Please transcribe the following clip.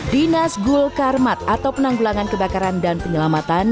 dinas gul karmat atau penanggulangan kebakaran dan penyelamatan